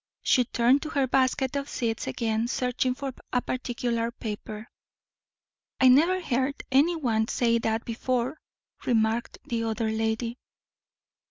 She turned to her basket of seeds again, searching for a particular paper. "I never heard any one say that before," remarked the other lady.